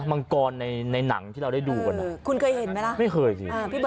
มังกรในในหนังที่เราได้ดูกันคุณเคยเห็นไหมล่ะไม่เคยสิ